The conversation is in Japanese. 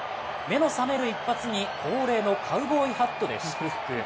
目の覚める一発に恒例のカウボーイハットで祝福。